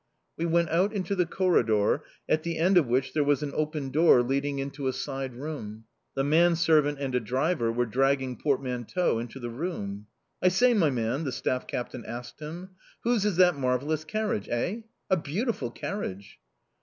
We went out into the corridor, at the end of which there was an open door leading into a side room. The manservant and a driver were dragging portmanteaux into the room. "I say, my man!" the staff captain asked him: "Whose is that marvellous carriage? Eh? A beautiful carriage!"